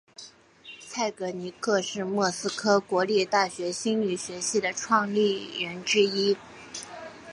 蔡格尼克是莫斯科国立大学心理学系的创立人之一。